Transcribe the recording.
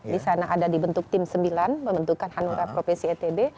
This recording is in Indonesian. di sana ada dibentuk tim sembilan pembentukan hanura profesi etb